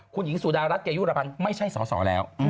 คุณหญิงสุดารัฐเกยุรพันธ์ไม่ใช่สอสอแล้ว